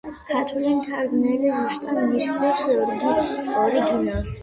ქართველი მთარგმნელი ზუსტად მისდევს ორიგინალს.